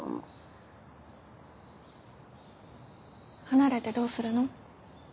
離れてどうするの？